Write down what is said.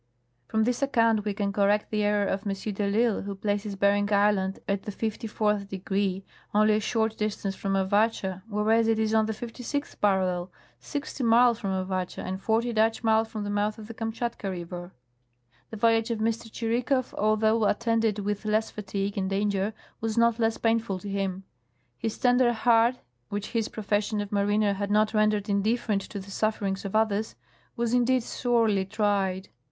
" From this account we can correct the error of M. de I'lsle, who places Bering island at the 54th degree, only a short distance from Avatscha, whereas it is on the 56th parallel, sixty miles from Avatscha and forty Dutch miles from the mouth of the Kamshatka river. " The voyage of M. Tschirikow, although attended with less fatigue and danger, was not less painful to him. His tender heart, which his profes sion of mariner had not rendered indifferent to the sufferings of others, was indeed sorely tried.